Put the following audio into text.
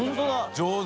上手。